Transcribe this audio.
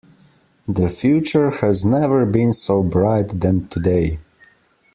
The future has never been so bright than today.